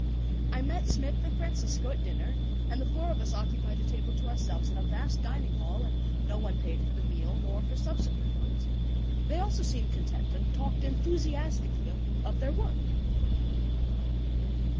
I met Smith and Francisco at dinner and the four of us occupied a table to ourselves in a vast dining hall, and no one paid for the meal nor for subsequent ones. They also seemed content, and talked enthusiastically of their work.